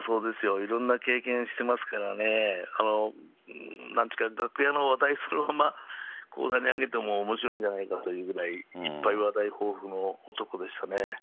いろんな経験してますからね、なんというか、楽屋の話題そのまま高座にあげてもおもしろいんじゃないかと、いっぱい話題豊富の男でしたね。